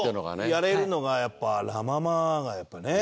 やれるのがやっぱラ・ママがやっぱね。